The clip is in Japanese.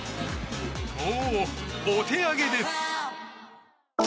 もうお手上げです。